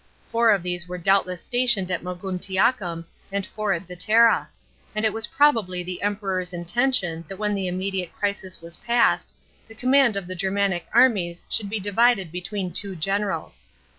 Four of these were doubtless stationed at Moguntiacum and lour at Vetera ; and it was probably the Emperor's intention that when the immediate crisis was past, the command of the Germanic armies should be divided between two generals.